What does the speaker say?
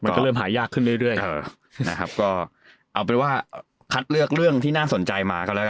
มันก็เริ่มหายากขึ้นเรื่อยนะครับก็เอาเป็นว่าคัดเลือกเรื่องที่น่าสนใจมาก็แล้วกัน